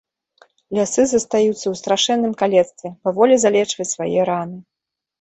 Лясы застаюцца ў страшэнным калецтве паволі залечваць свае раны.